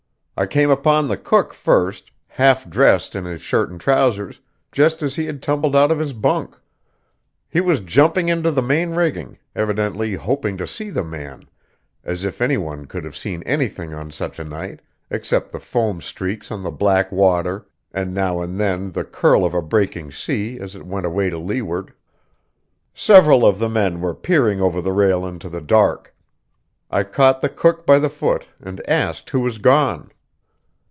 I came upon the cook first, half dressed in his shirt and trousers, just as he had tumbled out of his bunk. He was jumping into the main rigging, evidently hoping to see the man, as if any one could have seen anything on such a night, except the foam streaks on the black water, and now and then the curl of a breaking sea as it went away to leeward. Several of the men were peering over the rail into the dark. I caught the cook by the foot, and asked who was gone.